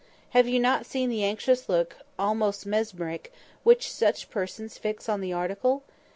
Have you not seen the anxious look (almost mesmeric) which such persons fix on the article?